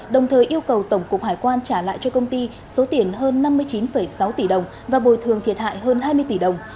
đồng thời yêu cầu tổng cục hải quan trả lại cho công ty số tiền hơn năm mươi chín sáu tỷ đồng và bồi thường thiệt hại hơn hai mươi tỷ đồng